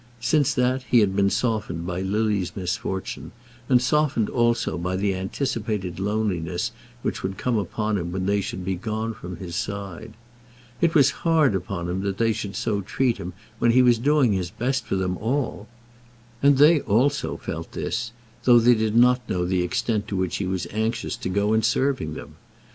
Since that he had been softened by Lily's misfortune, and softened also by the anticipated loneliness which would come upon him when they should be gone from his side. It was hard upon him that they should so treat him when he was doing his best for them all! And they also felt this, though they did not know the extent to which he was anxious to go in serving them.